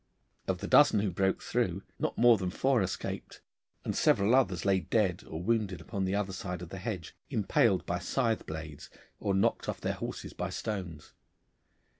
Of the dozen who broke through, not more than four escaped, and several others lay dead or wounded upon the other side of the hedge, impaled by scythe blades or knocked off their horses by stones.